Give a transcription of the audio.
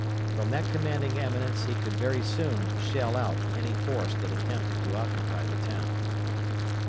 From that commanding eminence he could very soon shell out any force that attempted to occupy the town.